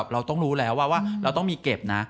เราต้องรู้แล้วว่าเราต้องมีเก็บนะ